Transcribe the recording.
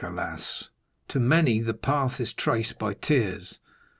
Alas, to many the path is traced by tears."